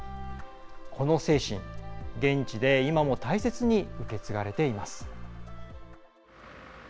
この精神、現地で今も大切に受け継がれています。